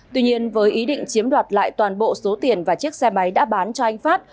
tuy nhiên với ý định chiếm đoạt lại toàn bộ số tiền và chiếc xe máy đã bán cho anh phát